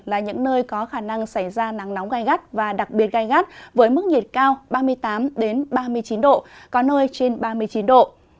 là những nơi có khả năng xảy ra nắng nóng gai gắt và đặc biệt gai gắt với mức nhiệt cao ba mươi tám ba mươi chín độ có nơi trên ba mươi chín độ